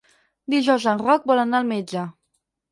Dijous en Roc vol anar al metge.